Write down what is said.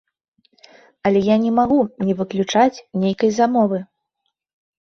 Але я не магу не выключаць нейкай замовы.